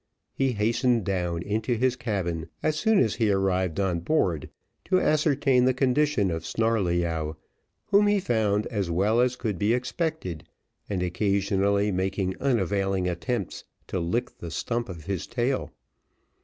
He hastened down into his cabin, as soon as he arrived on board, to ascertain the condition of Snarleyyow, whom he found as well as could be expected, and occasionally making unavailing attempts to lick the stump of his tail.